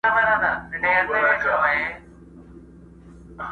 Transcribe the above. په والله چي ته هغه یې بل څوک نه یې!!..